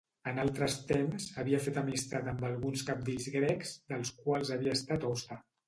En altres temps, havia fet amistat amb alguns cabdills grecs, dels quals havia estat hoste.